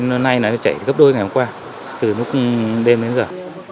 nó nay nó chảy gấp đôi ngày hôm qua từ lúc đêm đến giờ